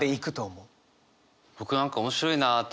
僕何か面白いなと。